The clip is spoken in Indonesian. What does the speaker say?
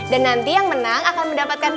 dan nanti yang menang akan mendapatkan